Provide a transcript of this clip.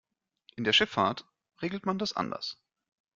In der Schifffahrt regelt man das anders.